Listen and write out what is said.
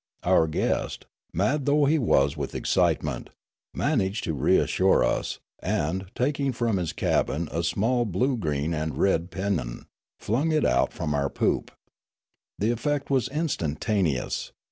Our guest, mad though he was with excite ment, managed to reassure us, and, taking from his cabin a small blue green and red pennon, flung it out from our poop. The effect was instantaneous.